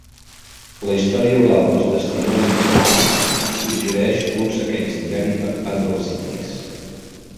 La història oral dels testimonis blancs suggereix un saqueig diari per part dels indis.